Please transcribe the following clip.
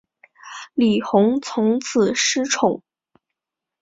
李弘从此失宠。